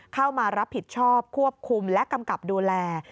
เข้ามารับผิดชอบควบคุมและกำกับดูแล